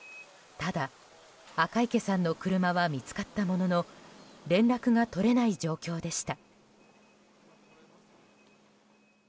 ただ、赤池さんの車は見つかったものの連絡が取れない状況でした。